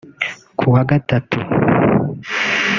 Ku wa Gatatu